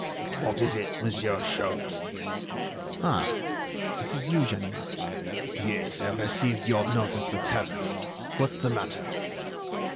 what is it, Monsieur Sholmes?" "Ah! it is you, Ganimard?" "Yes; I received your note at the tavern. What's the matter?"